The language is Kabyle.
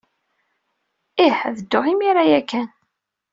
Ih. Ad dduɣ imir-a ya kan.